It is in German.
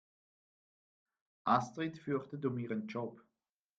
Astrid fürchtet um ihren Job.